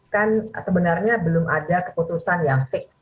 kan sebenarnya belum ada keputusan yang fix